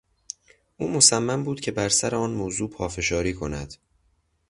او مصمم بود که بر سر آن موضوع پافشاری کند.